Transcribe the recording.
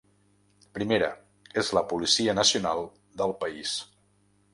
Primera: és la policia nacional del país.